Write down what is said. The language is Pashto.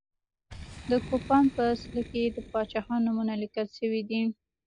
د کوپان په څلي کې د پاچاهانو نومونه لیکل شوي دي.